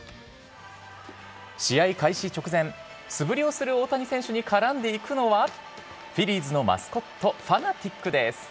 試合開始直前、素振りをする大谷選手に絡んでいくのは、フィリーズのマスコット、ファナティックです。